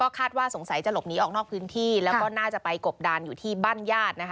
คาดว่าสงสัยจะหลบออกพื้นที่และไปกบดานอยู่บ้านญาติ